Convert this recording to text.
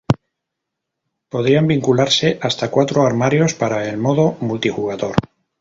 Podrían vincularse hasta cuatro armarios para el modo multijugador.